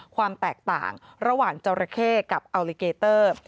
ความแตกต่างระหว่างจราเข้กับอัลลิเกเตอร์